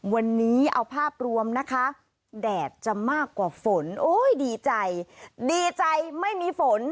วันนี้เอาภาพรวมนะคะแดดจะมากกว่าฝนโอ้ยดีใจดีใจไม่มีฝน